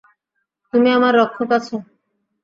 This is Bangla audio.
তুমি আমার রক্ষক আছ।